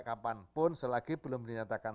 kapanpun selagi belum dinyatakan